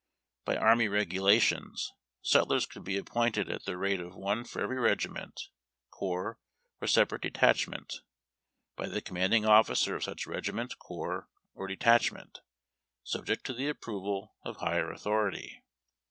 By Army Regulations sutlers could be appointed "at the rate of one for every regiment, corps, or separate detachment, by the commanding officer of such regiment, corps, or detachment," subject to the approval of higher authority.